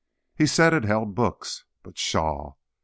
He said it held books; but, pshaw!